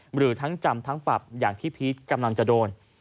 หรือทั้งจำทั้งปรับอย่างที่พีชกำลังจะโดน